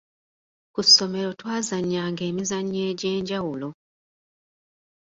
Ku ssomero twazannyanga emizannyo egy’enjawulo.